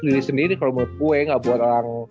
diri sendiri kalau menurut kue nggak buat orang